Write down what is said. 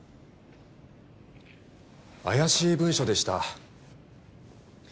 怪しい文書でした。